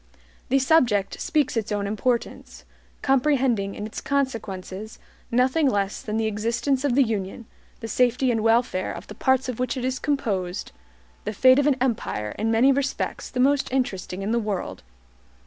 The subject speaks its own importance; comprehending in its consequences nothing less than the existence of the UNION, the safety and welfare of the parts of which it is composed, the fate of an empire in many respects the most interesting in the world.